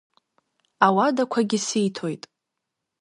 Ауадақәагьы сиҭоит.